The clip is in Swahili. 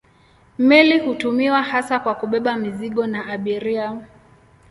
Meli hutumiwa hasa kwa kubeba mizigo na abiria.